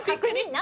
何？